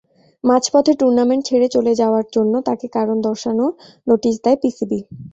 মাঝপথে টুর্নামেন্ট ছেড়ে চলে যাওয়ার জন্য তাঁকে কারণ দর্শানো নোটিশ দেয় পিসিবি।